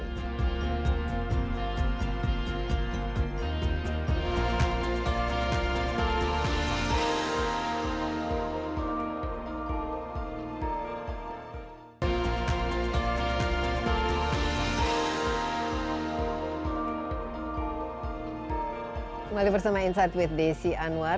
kembali bersama insight with desi anwar